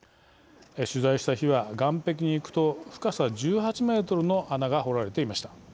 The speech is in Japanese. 取材した日は岸壁に行くと深さ１８メートルの穴が掘られていました。